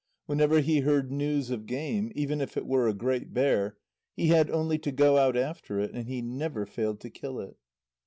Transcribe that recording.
Whenever he heard news of game, even if it were a great bear, he had only to go out after it, and he never failed to kill it.